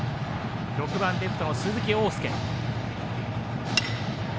６番レフトの鈴木凰介。